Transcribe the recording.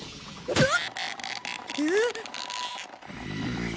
うわっ！